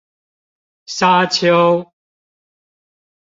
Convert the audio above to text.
沙丘